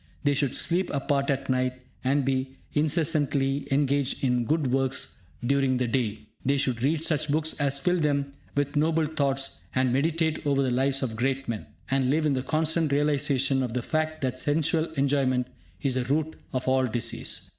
They should sleep apart at night, and be incessantly engaged in good works during the day. They should read such books as fill them with noble thoughts and meditate over the lives of great men, and live in the constant realisation of the fact that sensual enjoyment is the root of all disease.